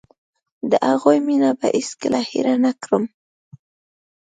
د هغوی مينه به هېڅ کله هېره نکړم.